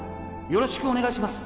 よろしくお願いします